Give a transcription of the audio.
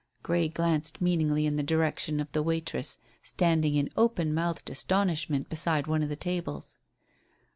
Grey glanced meaningly in the direction of the waitress standing in open mouthed astonishment beside one of the tables.